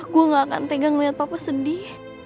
gue gak akan tegang ngeliat papa sedih